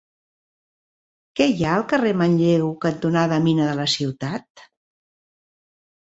Què hi ha al carrer Manlleu cantonada Mina de la Ciutat?